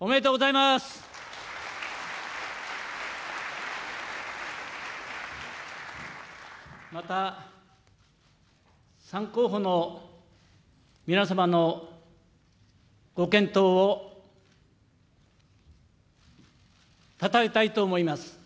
また、３候補の皆さまのご健闘をたたえたいと思います。